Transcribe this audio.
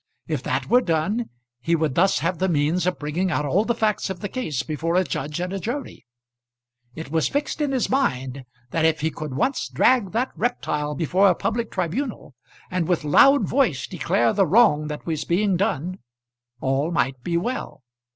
If that were done he would thus have the means of bringing out all the facts of the case before a jury and a judge. It was fixed in his mind that if he could once drag that reptile before a public tribunal, and with loud voice declare the wrong that was being done, all might be well.